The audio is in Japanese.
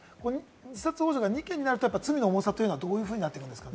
自殺ほう助が２件になると罪の重さはどういうふうになりますか？